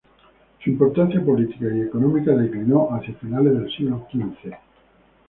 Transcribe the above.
Su importancia política y económica declinó hacia finales del siglo xv.